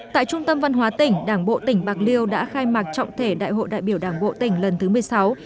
tại trung tâm văn hóa tỉnh đảng bộ tỉnh bạc liêu đã khai mạc trọng thể đại hội đại biểu đảng bộ tỉnh lần thứ một mươi sáu